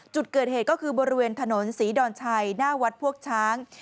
จุดเกิดเหตุก็คือบริเวณถนนศรีดอนชัยหน้าวัดพวกช้าง